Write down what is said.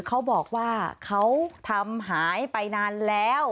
เขาบอกว่าเขาทำหายไปนานแล้ว